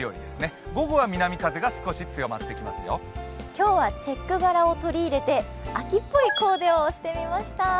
今日はチェック柄を取り入れて秋っぽいコーデにしてみました。